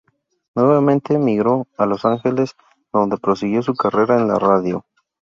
Nuevamente migró a Los Ángeles, donde prosiguió su carrera en la radio.